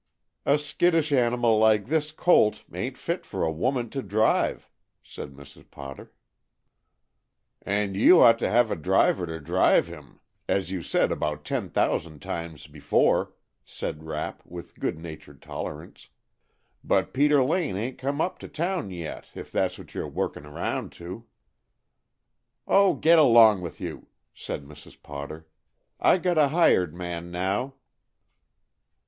"A skittish animal like this colt ain't fit for a woman to drive," said Mrs. Potter. "And you ought to have a driver to drive him, as you said about ten thousand times before," said Rapp with good natured tolerance, "but Peter Lane ain't come up to town yet, if that's what you're working round to." "Oh, get along with you!" said Mrs. Potter. "I got a hired man now."